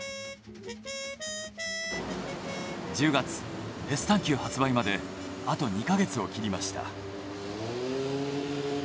１０月ヘスタンキュー発売まであと２か月を切りました。